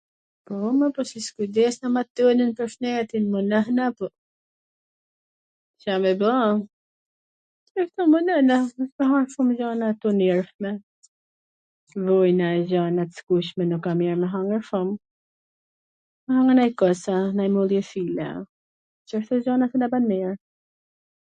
Po mor po si s kujdesna me at tonwn pwr shnetin? Kujdesna po Ca me ba? Kshtu munohna tw ham shum gjona t ynyrshme, vojna e gjana t skuqme nuk a mir me hangwr shum, ham dhe nanj kos, a nanj moll jeshile, a, Cashtu gjana kena ba mir,